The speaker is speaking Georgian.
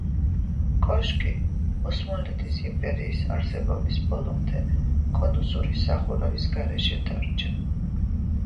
კოშკი, ოსმალეთის იმპერიის არსებობის ბოლომდე, კონუსური სახურავის გარეშე დარჩა.